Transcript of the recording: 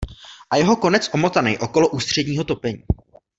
A jeho konec omotanej okolo ústředního topení.